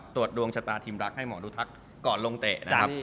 ตรวจดวงชะตาทีมรักให้หมอดูทักก่อนลงเตะ